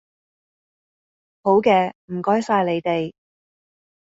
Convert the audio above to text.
好嘅，唔該曬你哋